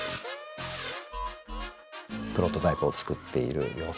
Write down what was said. プロトタイプを作っている様子ですね。